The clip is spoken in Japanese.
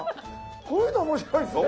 こういうの面白いですね。